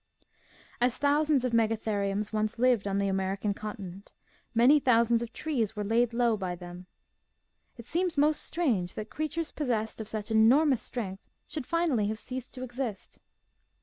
As thousands of Megatheriums once lived on the American continent many thousands of trees were laid low by them. It seems most strange that creatures possessed of such enormous strength should finally have ceased to exist.